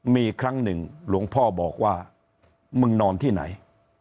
มีครั้งหนึ่งหลวงพ่อบอกว่ามึงนอนที่ไหน